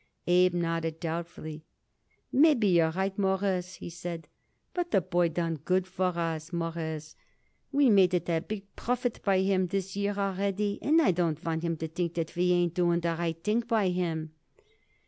Abe nodded doubtfully. "Maybe you're right, Mawruss," he said; "but the boy done good for us, Mawruss. We made it a big profit by him this year already, and I don't want him to think that we ain't doing the right thing by him."